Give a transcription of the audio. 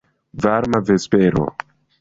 Varma vespero.